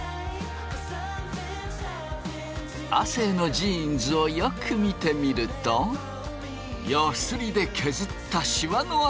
亜生のジーンズをよく見てみるとヤスリで削ったシワのあとが。